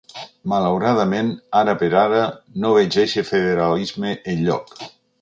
Malauradament, ara per ara, no veig eixe federalisme enlloc.